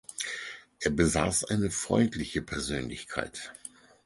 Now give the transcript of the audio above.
Er besaß eine freundliche Persönlichkeit.